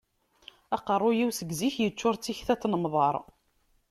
Aqaruy-iw, seg zik, yeččur d tikta n tnemḍar.